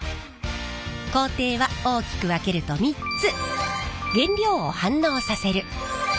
工程は大きく分けると３つ。